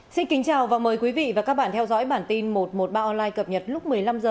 xin kính chào và mời quý vị và các bạn theo dõi bản tin một trăm một mươi ba online cập nhật lúc một mươi năm h